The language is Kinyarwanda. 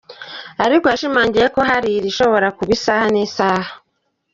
Ariko yashimangiye ko hari irishobora kugwa isaha n’isaha.